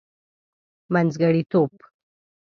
منځګړتوب.